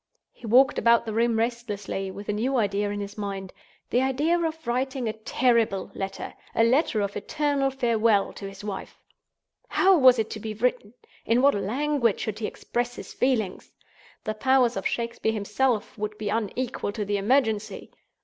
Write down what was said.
He walked about the room restlessly, with a new idea in his mind—the idea of writing a terrible letter; a letter of eternal farewell to his wife. How was it to be written? In what language should he express his feelings? The powers of Shakespeare himself would be unequal to the emergency!